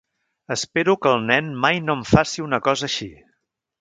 Espero que el nen mai no em faci una cosa així.